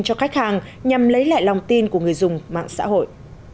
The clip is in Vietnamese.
cho khách hàng nhằm lấy lại lòng tin của người dùng mạng xã hội